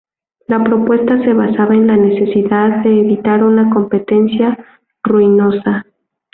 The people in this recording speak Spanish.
La propuesta se basaba en la necesidad de evitar una competencia ruinosa.